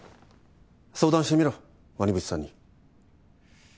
相談してみろ鰐淵さんに。